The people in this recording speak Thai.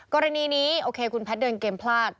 กรณีนี้โอเคคุณแพทย์เดินเกมพลาด